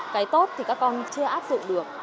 cái tốt thì các con chưa áp dụng được